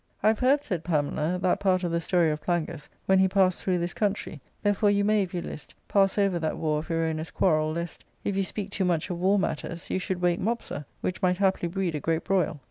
" I have heard," said Pamela, " that part of the story of Plangus when he passed through this country, therefore you may, if you list, pass over that war of Erona's quarrel, lest, if you speak too much of war matters, you should wake Mopsa, which might haply breed a great broil."